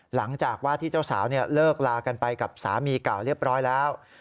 หลังจากว่าที่เจ้าสาวเลิกลากันไปกับสามีเก่าเรียบร้อยแล้ว